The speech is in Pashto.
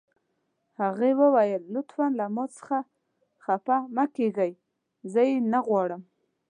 هغې وویل: لطفاً له ما څخه خفه مه کیږئ، زه یې نه غواړم.